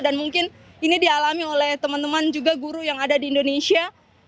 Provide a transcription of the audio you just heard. dan mungkin ini dialami oleh teman teman juga guru yang ada di indonesia